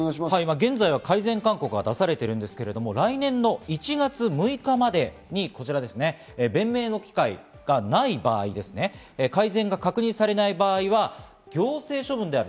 現在は改善勧告が出されていますが来年の１月６日までに弁明の機会がない場合、改善が確認されない場合は行政処分である。